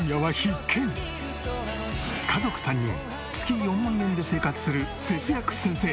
家族３人月４万円で生活する節約先生。